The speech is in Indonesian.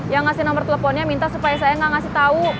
yang ngasih nomor teleponnya minta supaya saya nggak ngasih tahu